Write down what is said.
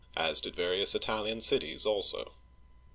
as did various Italian cities also.